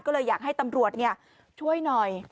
ก็เลยอยากให้ตำรวจช่วยหน่อย